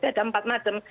jadi ada empat macam